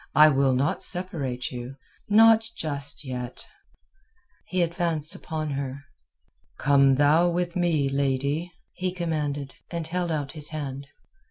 I will not separate you—not just yet." He advanced upon her. "Come thou with me, lady," he commanded, and held out his hand.